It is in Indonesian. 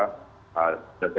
saya pantau secara umum lancar